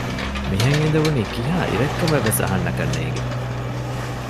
މިހެން އިދެވުނީ ކިހާ އިރެއް ކަމެއްވެސް އަހަންނަކަށް ނޭގެ